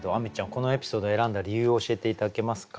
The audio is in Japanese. このエピソードを選んだ理由を教えて頂けますか？